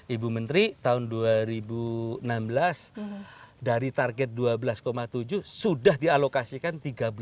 ibu menteri tahun dua ribu enam belas dari target dua belas tujuh sudah dialokasikan tiga puluh lima